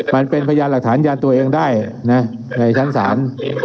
พยานหลักฐานยานตัวเองได้นะในชั้นศาล